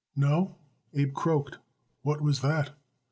"No?" Abe croaked. "What was that?"